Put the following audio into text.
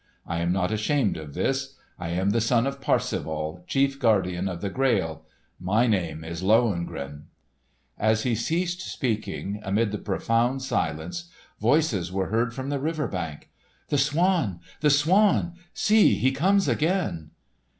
I am not ashamed of this. I am the son of Parsifal, chief Guardian of the Grail. My name is Lohengrin." As he ceased speaking, amid the profound silence, voices were heard from the river's bank. "The swan! the swan! See, he comes again!"